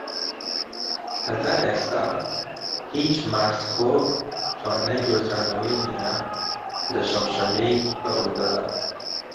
هەتا ئێستا، هیچ مارس-کۆڤ توانای دۆزرانەوەی نیە لە شەمشەمەی دڕندەدا.